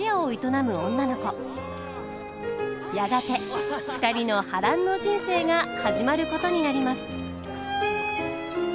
やがて２人の波乱の人生が始まることになります。